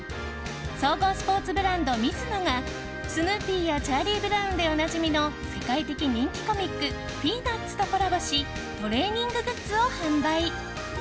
総合スポーツブランド、ミズノがスヌーピーやチャーリー・ブラウンでおなじみの世界的人気コミック「ピーナッツ」とコラボしトレーニンググッズを販売。